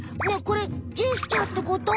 これジェスチャーってこと？